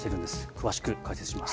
詳しく解説します。